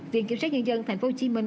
viện kiểm sát nhân dân thành phố hồ chí minh